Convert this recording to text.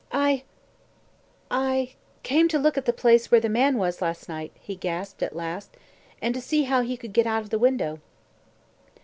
"I I came to look at the place where the man was last night," he gasped at last, "and to see how he could get out of the window."